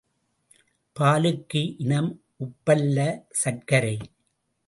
பாலுக்கு இனம் உப்பல்ல சர்க்கரை!